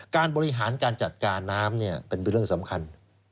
การบริหารการจัดการน้ำเป็นเรื่องสำคัญ